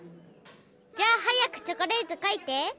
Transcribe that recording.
じゃあ早くチョコレートかいて。